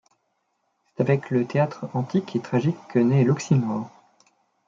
C'est avec le théâtre antique et tragique que naît l'oxymore.